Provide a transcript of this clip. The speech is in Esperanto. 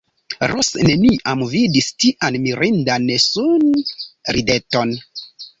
Ros neniam vidis tian mirindan sunrideton.